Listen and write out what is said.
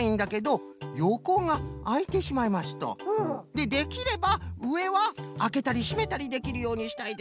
でできればうえはあけたりしめたりできるようにしたいです。